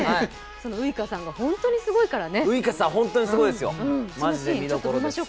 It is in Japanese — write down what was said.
そのウイカさんが本当にすごいからね。